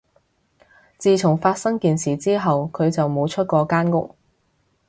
自從發生件事之後，佢就冇出過間屋